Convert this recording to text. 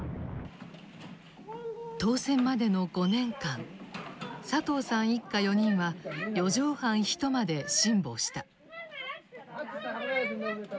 当選までの５年間佐藤さん一家４人は４畳半一間で辛抱した。